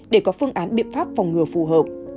để có phương án biện pháp phòng ngừa phù hợp